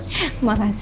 terima kasih ya jess